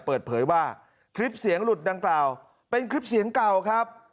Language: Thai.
เปิดเผยว่าคลิปเสียงหลุดดังกล่าวเป็นคลิปเสียงเก่าครับ